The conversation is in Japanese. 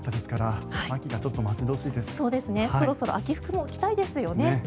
そろそろ秋服も着たいですよね。